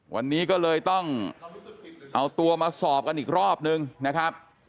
วันนี้ก็เลยต้องเอาตัวมาสอบกันอีกรอบนึงนะครับ